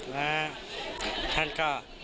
และท่านก็